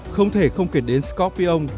không thể không kể đến scorpion